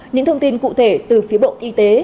những thông tin cụ thể từ phía bộ y tế